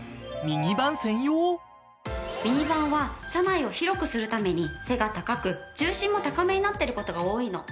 ミニバンは車内を広くするために背が高く重心も高めになってる事が多いの。